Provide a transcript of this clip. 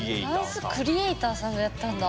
ダンスクリエイターさんがやったんだ。